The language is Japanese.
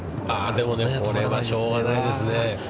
でも、これはしょうがないですね。